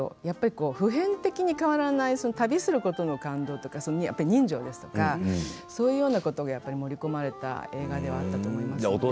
やっぱり普遍的に変わらない旅することの感動とかやっぱり人情ですとかそういうようなことがやっぱり盛り込まれた映画ではあったと思いますね。